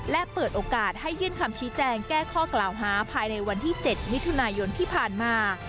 และเปิดโอกาสให้ยื่นคำชี้แจงแก้ข้อกล่าวหาภายในวันที่๗มิถุนายนที่ผ่านมา